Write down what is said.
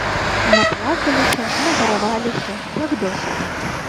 Наплакаліся, нагараваліся, як досыць.